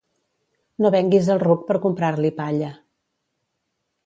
No venguis el ruc per comprar-li palla.